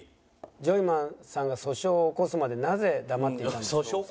「ジョイマンさんが訴訟を起こすまでなぜ黙っていたんでしょう？」。